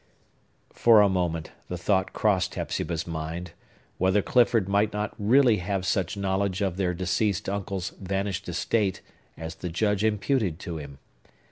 For a moment, the thought crossed Hepzibah's mind, whether Clifford might not really have such knowledge of their deceased uncle's vanished estate as the Judge imputed to him.